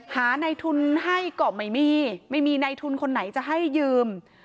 หาในทุนให้ก็ไม่มีไม่มีในทุนคนไหนจะให้ยืม